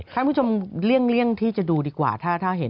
ท่านผู้ชมเลี่ยงที่จะดูดีกว่าถ้าเห็น